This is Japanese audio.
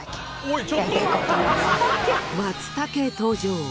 松茸登場。